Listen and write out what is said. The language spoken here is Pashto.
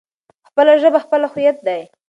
خپله ژبه خپله هويت دی.